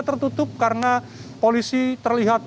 tertutup karena polisi terlihat